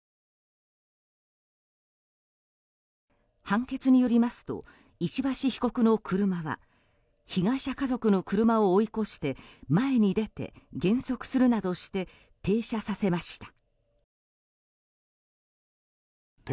判決によりますと石橋被告の車は被害者家族の車を追い越して前に出て減速するなどして停車させました。